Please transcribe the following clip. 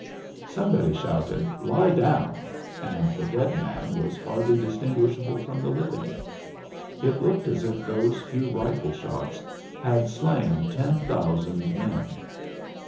Somebody shouted "Lie down!" and the dead man was hardly distinguishable from the living. It looked as if those few rifle shots had slain ten thousand men.